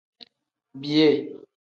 Biyee.